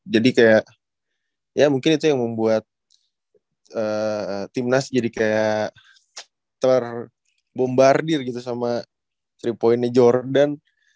jadi kayak ya mungkin itu yang membuat tim nas jadi kayak terbombardir gitu sama three point nya jordan